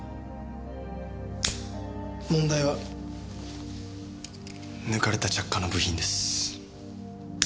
問題は抜かれた着火の部品です。